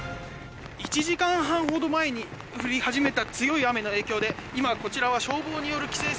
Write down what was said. １時間半ほど前に降り始めた強い雨の影響で今こちらは消防による規制線が張られています。